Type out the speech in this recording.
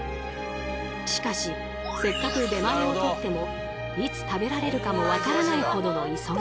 しかしせっかく出前をとってもいつ食べられるかもわからないほどの忙しさ。